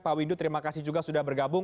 pak windu terima kasih juga sudah bergabung